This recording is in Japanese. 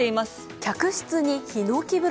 客室に、ひのき風呂。